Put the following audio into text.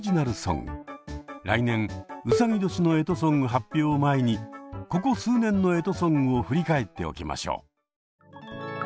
来年うさぎ年の干支ソング発表を前にここ数年の干支ソングを振り返っておきましょう。